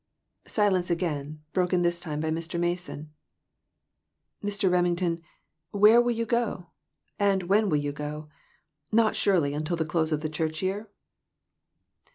Silence again ; broken this time by Mr. Mason. "Mr. Remington, where will you go? And when will you go ? Not, surely, until the close of the church year